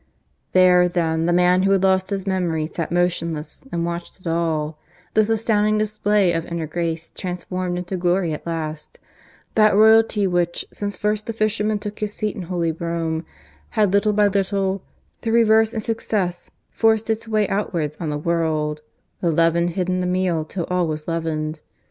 There, then, the man who had lost his memory sat motionless, and watched it all this astounding display of inner grace transformed into glory at last, that Royalty which since first the Fisherman took his seat in Holy Rome, had little by little, through reverse and success, forced its way outwards on the world the leaven hid in the meal till all was leavened.